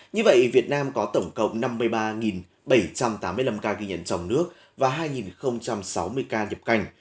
như vậy việt nam có tổng cộng năm mươi ba bảy trăm tám mươi năm ca ghi nhận trong nước và hai sáu mươi ca nhập cảnh